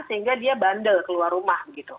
sehingga dia bandel keluar rumah